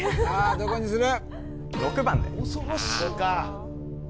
どこにする？